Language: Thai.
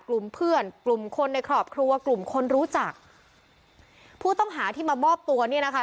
กลุ่มเพื่อนกลุ่มคนในครอบครัวกลุ่มคนรู้จักผู้ต้องหาที่มามอบตัวเนี่ยนะคะ